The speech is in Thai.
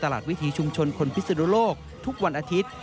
วิธีชุมชนคนพิศนุโลกทุกวันอาทิตย์